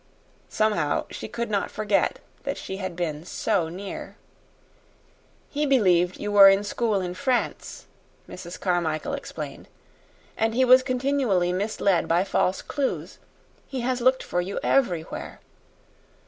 Somehow, she could not forget that she had been so near. "He believed you were in school in France," Mrs. Carmichael explained. "And he was continually misled by false clues. He has looked for you everywhere.